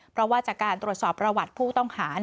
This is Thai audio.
เพราะว่าจากการตรวจสอบประวัติผู้ต้องหา